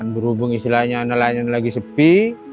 berhubung istilahnya nelayan lagi sepi